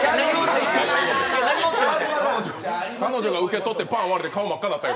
彼女が受け取ってパーン割れて、顔真っ赤になった。